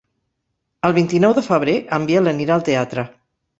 El vint-i-nou de febrer en Biel anirà al teatre.